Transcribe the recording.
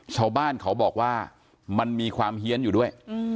ชาวบ้านเขาบอกว่ามันมีความเฮียนอยู่ด้วย